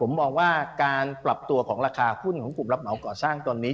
ผมมองว่าการปรับตัวของราคาหุ้นของกลุ่มรับเหมาก่อสร้างตอนนี้